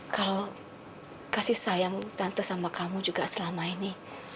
kalau kasih sayang tante sama kamu juga selama ini